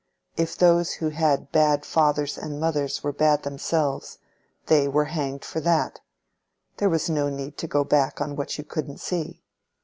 If those who had bad fathers and mothers were bad themselves, they were hanged for that. There was no need to go back on what you couldn't see.